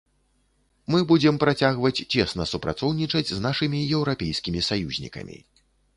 Мы будзем працягваць цесна супрацоўнічаць з нашымі еўрапейскімі саюзнікамі.